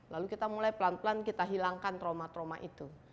lalu kita mulai pelan pelan kita hilangkan trauma trauma itu